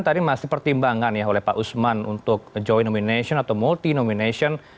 tadi masih pertimbangan ya oleh pak usman untuk joint nomination atau multi nomination